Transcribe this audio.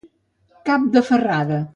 Cap de ferrada.